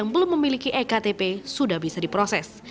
belum memiliki ektp sudah bisa diproses